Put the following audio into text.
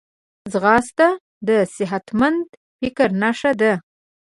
ځغاسته د صحتمند فکر نښه ده